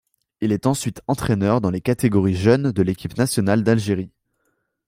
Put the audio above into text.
Il est ensuite entraîneur dans les catégories jeunes de l'équipe nationale d'Algérie.